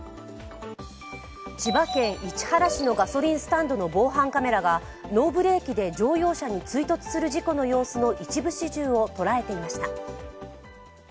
千葉県市原市のガソリンスタンドの防犯カメラがノーブレーキで乗用車に追突する事故の様子を一部始終を捉えていました。